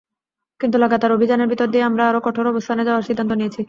কিন্তু লাগাতার অভিযানের ভেতর দিয়ে আমরা আরও কঠোর অবস্থানে যাওয়ার সিদ্ধান্ত নিয়েছি।